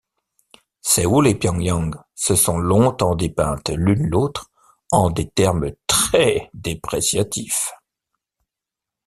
Séoul et Pyongyang se sont longtemps dépeintes l'une l'autre en des termes très dépréciatifs.